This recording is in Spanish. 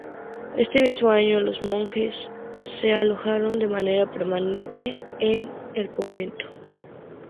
Este mismo año los monjes se alojaron de manera permanente en el convento.